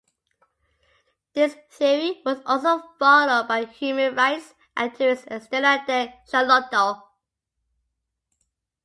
This theory was also followed by human rights activist Estela de Carlotto.